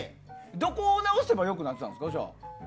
どこを直せばじゃあ、良くなってたんですか？